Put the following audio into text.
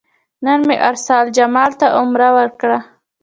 نن مې ارسلا جمال ته عمره وکړه.